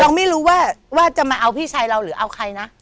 เราไม่รู้ว่าว่าจะมาเอาพี่ชายเราหรือเอาใครนะ